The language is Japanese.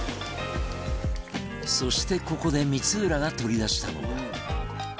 そしてここで光浦が取り出したのは